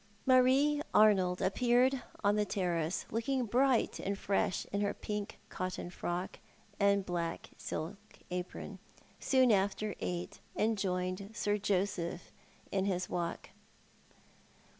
Marie Arnold appeared on the terrace, looking bright and fresh in her pink cotton frock and black silk apron, soon after eight, and joined Sir Joseph in his walk.